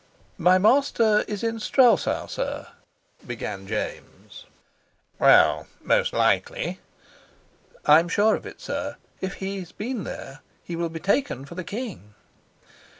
"My master is in Strelsau, sir," began James. "Well, most likely." "I'm sure of it, sir. If he's been there, he will be taken for the king."